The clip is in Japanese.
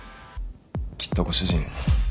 きっとご主人